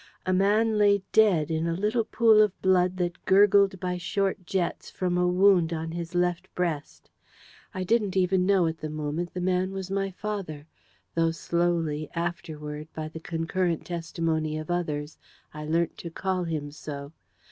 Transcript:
A man lay dead in a little pool of blood that gurgled by short jets from a wound on his left breast. I didn't even know at the moment the man was my father; though slowly, afterward, by the concurrent testimony of others, I learnt to call him so.